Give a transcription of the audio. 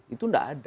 itu tidak ada